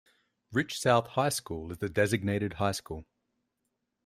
Rich South High School is the designated high school.